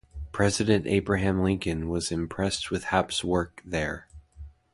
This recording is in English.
President Abraham Lincoln was impressed with Haupt's work there.